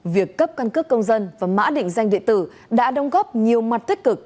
việc cấp căn cước công dân và mã định danh địa tử đã đồng góp nhiều mặt tích cực